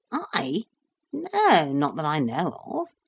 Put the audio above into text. "I? No, not that I know of.